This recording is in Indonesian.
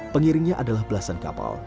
pengiringnya adalah belasan kapal